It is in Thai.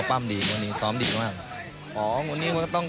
เพราะเราก็ปั้มดีซ้อมดีมาก